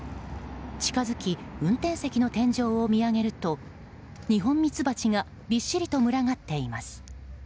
近づき運転席の天井を見上げるとニホンミツバチがびっしりと群がっています。